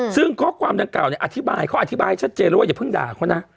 ซึ่งข้อความดังกล่าวเนี่ยอธิบายเขาอธิบายให้ชัดเจนเลยว่าอย่าเพิ่งด่าเขานะ